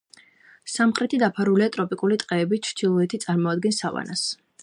სამხრეთი დაფარულია ტროპიკული ტყეებით, ჩრდილოეთი წარმოადგენს სავანას.